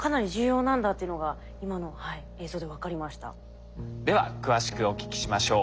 うんあのでは詳しくお聞きしましょう。